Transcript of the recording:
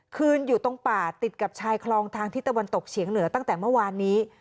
คืนอยู่ตรงป่าติดกับชายคลองทางที่ตะวันตกเฉียงเหนือตั้งแต่เมื่อวานนี้